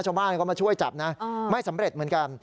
ชาวบ้านก็มาช่วยจับนะไม่สำเร็จเหมือนกัน